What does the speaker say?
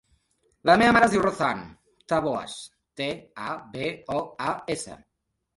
La meva mare es diu Razan Taboas: te, a, be, o, a, essa.